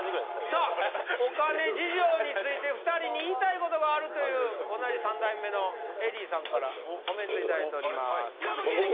さあお金事情について２人に言いたいことがあるという同じ三代目のＥＬＬＹさんからコメントいただいております。